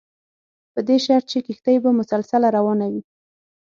په دې شرط چې کښتۍ به مسلسله روانه وي.